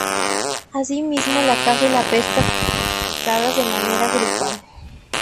Asimismo la caza y la pesca son practicadas de manera grupal.